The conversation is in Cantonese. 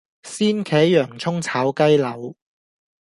鮮茄洋蔥炒雞柳